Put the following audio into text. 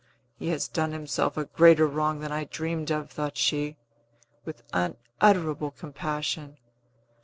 "He has done himself a greater wrong than I dreamed of," thought she, with unutterable compassion.